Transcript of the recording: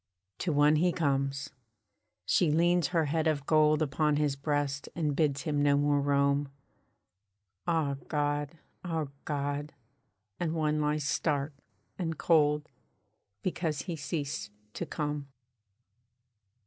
To one he comes! She leans her head of gold Upon his breast and bids him no more roam. Ah God! Ah God! and one lies stark and cold, Because he ceased to come.